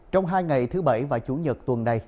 trong hai ngày thứ bảy và chủ nhật tuần này